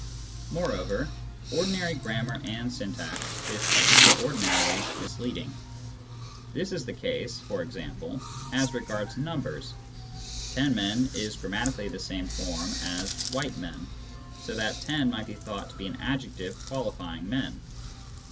Moreover, ordinary grammar and syntax is extraordinarily misleading. This is the case, e.g., as regards numbers ;" ten men " is grammatically the same form as " white men," so that 10 might 'be thought to be an adjective qualifying " men."